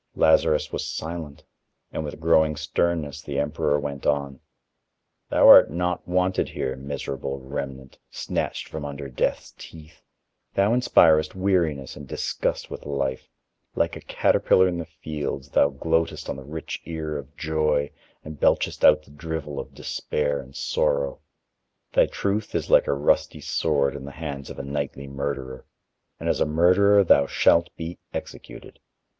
Lazarus was silent, and with growing sternness the emperor went on: "Thou art not wanted here, miserable remnant, snatched from under Death's teeth, thou inspirest weariness and disgust with life; like a caterpillar in the fields, thou gloatest on the rich ear of joy and belchest out the drivel of despair and sorrow. Thy truth is like a rusty sword in the hands of a nightly murderer, and as a murderer thou shalt be executed.